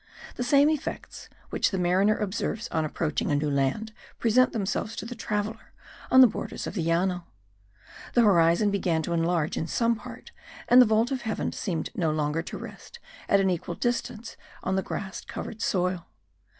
The same effects which the mariner observes on approaching a new land present themselves to the traveller on the borders of the Llano. The horizon began to enlarge in some part and the vault of heaven seemed no longer to rest at an equal distance on the grass covered soil.